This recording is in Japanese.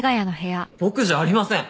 僕じゃありません！